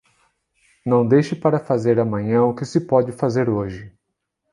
Não deixe para fazer amanhã o que se pode fazer hoje